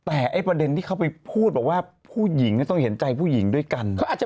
ไอ้ตรงนี้คือก็เหมือนกับว่า